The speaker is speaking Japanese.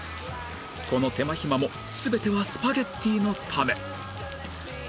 この手間暇も全てはスパゲッティのため